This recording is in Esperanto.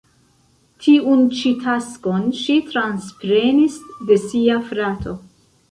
Tiun ĉi taskon ŝi transprenis de sia frato.